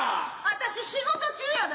私仕事中やで。